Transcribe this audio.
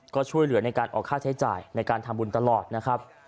ก็ช่วยเหลือในการออกค่าใช้จ่ายในการทำบุญตลอดนะครับ